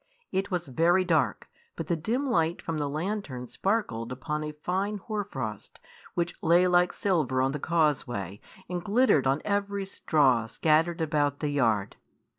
It was very dark, but the dim light from the lantern sparkled upon a fine hoar frost, which lay like silver on the causeway and glittered on every straw scattered about the yard.